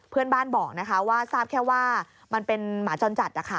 เพื่อนบ้านบอกนะคะว่าทราบแค่ว่ามันเป็นหมาจรจัดนะคะ